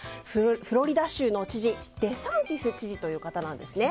フロリダ州の知事デサンティス知事という方です。